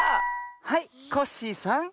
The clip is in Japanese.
はいコッシーさん。